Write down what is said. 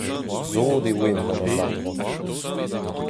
sot e oan gant an hard rock.